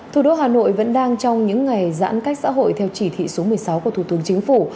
thủ đô hà nội vẫn đang trong những ngày giãn cách xã hội theo chỉ thị số một mươi sáu của thủ tướng chính phủ